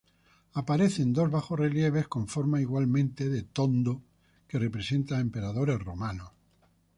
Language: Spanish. Aparecen dos bajorrelieves con forma igualmente de tondo que representan a emperadores romanos.